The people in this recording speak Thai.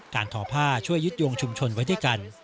ทอผ้าช่วยยึดโยงชุมชนไว้ด้วยกัน